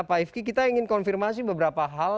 pak ifki kita ingin konfirmasi beberapa hal